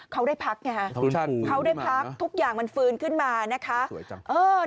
เขาได้พักไงฮะเขาได้พักทุกอย่างมันฟื้นขึ้นมานะคะสวยจัง